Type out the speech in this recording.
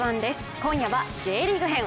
今夜はＪリーグ編。